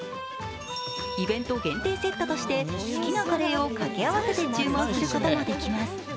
イベント限定セットとして好きなカレーを掛け合わせて注文することもできます。